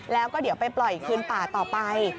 แล้วก็เดี๋ยวไปปล่อยอีกกิ้ลขึ้นต่อไป